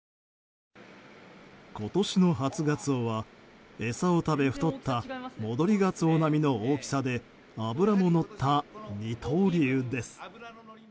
今年の初ガツオは餌を食べ太った戻りガツオ並みの大きさで脂ものった二刀流です。